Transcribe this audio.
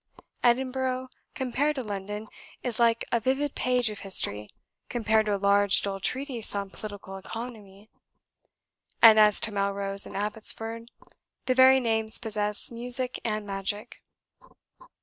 Edinburgh, compared to London, is like a vivid page of history compared to a large dull treatise on political economy; and as to Melrose and Abbotsford, the very names possess music and magic."